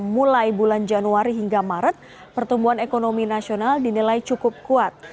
mulai bulan januari hingga maret pertumbuhan ekonomi nasional dinilai cukup kuat